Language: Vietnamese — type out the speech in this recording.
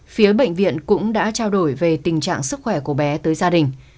phía bệnh viện cũng đã trao đổi về tình trạng sức khỏe của bé tới gia đình